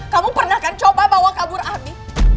kamu pernah kan coba bawa kabur api